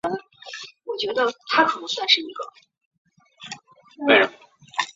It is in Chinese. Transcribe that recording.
刺史尹耀逮捕了强盗。